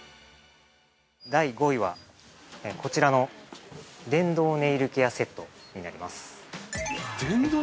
◆第５位は、こちらの電動ネイルケアセットになります。